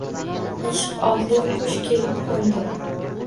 Ishq otli qush kelib qo’ndi